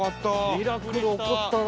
ミラクル起こったな。